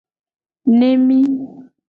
Nemi.